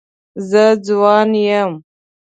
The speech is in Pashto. زه ځوان یم.